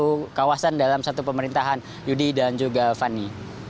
satu kawasan dalam satu pemerintahan yudi dan juga fani